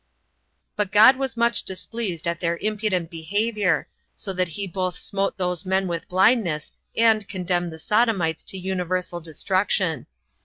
4. But God was much displeased at their impudent behavior, so that he both smote those men with blindness, and condemned the Sodomites to universal destruction.